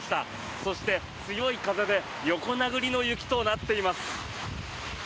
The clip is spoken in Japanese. そして、強い風で横殴りの雪となっています。